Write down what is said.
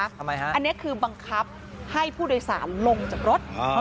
อันนี้คือบังคับให้ผู้โดยสารลงจากรถ